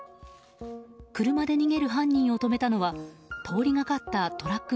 車で逃げる犯人を止めたのは通りがかったトラック